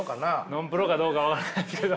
ノンプロかどうか分からんけど。